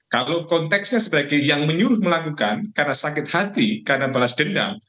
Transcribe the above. kalau konteksnya sebagai yang menyuruh melakukan karena sakit hati karena balas dendam